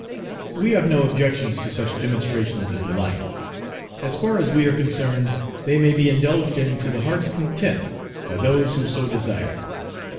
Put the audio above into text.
"We have no objections to such demonstrations of delight. As far as we are concerned they may be indulged in to the heart's content by those who so desire.